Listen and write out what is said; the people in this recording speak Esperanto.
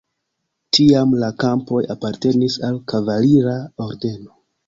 Tiam la kampoj apartenis al kavalira ordeno.